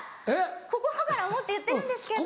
心から思って言ってるんですけど。